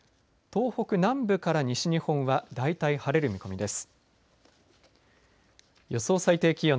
東北南部から西日本は大体晴れる見込みです。